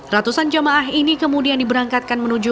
ratusan jamaah ini kemudian diberangkatkan menuju